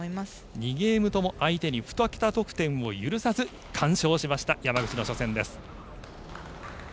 ２ゲームとも相手に２桁得点を許さず完勝しました山口の初戦です。